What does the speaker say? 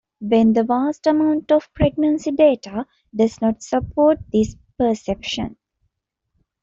When the vast amount of pregnancy data does not support this perception.